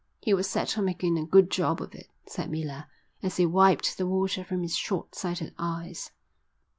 "He was set on making a good job of it," said Miller, as he wiped the water from his shortsighted eyes.